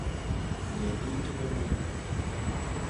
Ze ziyitibwa magu.